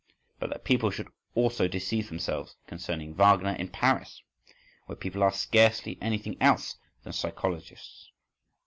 But that people should also deceive themselves concerning Wagner in Paris! Where people are scarcely anything else than psychologists.